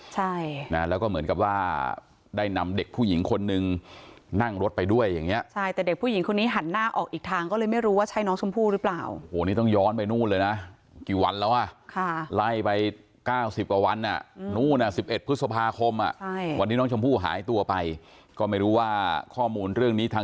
ใช่นะแล้วก็เหมือนกับว่าได้นำเด็กผู้หญิงคนนึงนั่งรถไปด้วยอย่างเงี้ใช่แต่เด็กผู้หญิงคนนี้หันหน้าออกอีกทางก็เลยไม่รู้ว่าใช่น้องชมพู่หรือเปล่าโหนี่ต้องย้อนไปนู่นเลยนะกี่วันแล้วอ่ะค่ะไล่ไปเก้าสิบกว่าวันอ่ะนู่นอ่ะสิบเอ็ดพฤษภาคมอ่ะใช่วันที่น้องชมพู่หายตัวไปก็ไม่รู้ว่าข้อมูลเรื่องนี้ทาง